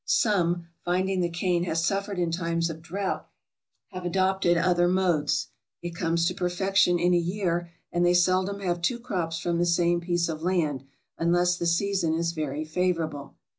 Some, finding the cane has suffered in times of drought, have adopted other modes. It comes to per fection in a year, and they seldom have two crops from the same piece of land, unless the season is very favorable.